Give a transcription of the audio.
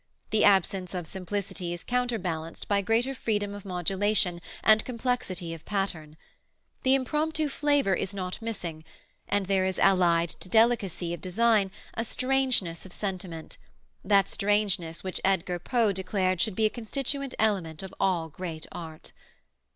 The absence of simplicity is counterbalanced by greater freedom of modulation and complexity of pattern. The impromptu flavor is not missing, and there is allied to delicacy of design a strangeness of sentiment that strangeness which Edgar Poe declared should be a constituent element of all great art.